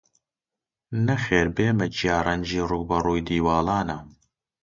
نەخێر بێمە گیاڕەنگی ڕووبەڕووی دیواڵانە